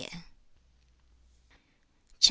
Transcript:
CHAP.